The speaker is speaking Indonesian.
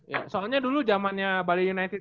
ya soalnya dulu zamannya bali united